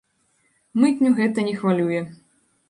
Мытню гэта не хвалюе.